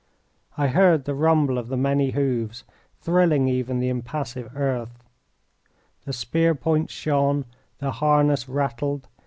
I heard the rumble of the many hoofs, thrilling even the impassive earth. The spear points shone. The harness rattled.